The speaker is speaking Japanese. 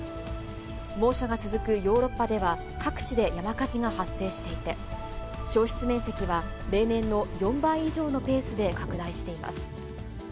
猛暑が続くヨーロッパでは、各地で山火事が発生していて、焼失面積は例年の４倍以上のペースで拡大しています。